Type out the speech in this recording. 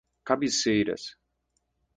Cabeceiras